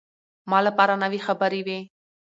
ما لپاره نوې خبرې وې.